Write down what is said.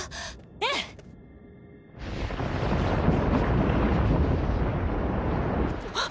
ええ！あっ！